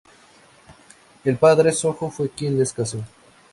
El Padre Sojo fue quien les casó.